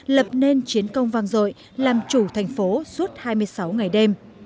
lập nên chiến công vang dội làm chủ thành phố suốt hai mươi sáu ngày đêm